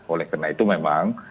oleh karena itu memang